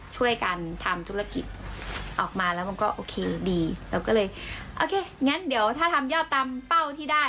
ช่วยกันทำธุรกิจออกมาแล้วมันก็โอเคดีเราก็เลยโอเคงั้นเดี๋ยวถ้าทำยอดตามเป้าที่ได้